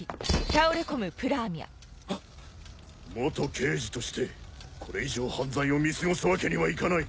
刑事としてこれ以上犯罪を見過ごすわけにはいかない。